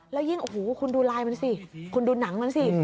แล้วยิ่งคุณดูลายมันสิคุณดูหนังมันสิ